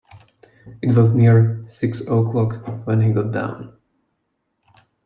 It was near six o’clock when he got down.